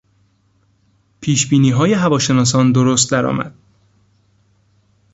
پیشبینیهای هواشناسان درست درآمد.